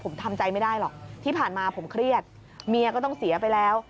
ผมทำใจไม่ได้หรอกที่ผ่านมาผมเครียดเมียก็ต้องเสียไปแล้ว